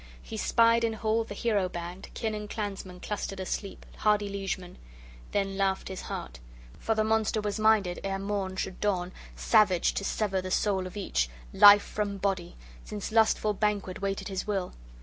He spied in hall the hero band, kin and clansmen clustered asleep, hardy liegemen. Then laughed his heart; for the monster was minded, ere morn should dawn, savage, to sever the soul of each, life from body, since lusty banquet waited his will!